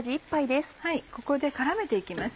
ここで絡めて行きます。